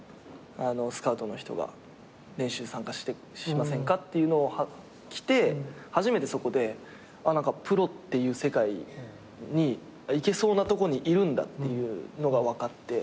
スカウトの人が練習参加しませんかっていうのが来て初めてそこでプロっていう世界に行けそうなとこにいるんだっていうのが分かって。